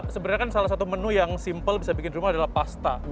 sebenarnya kan salah satu menu yang simple bisa bikin rumah adalah pasta